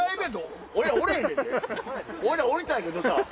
俺らおりたいけどさ。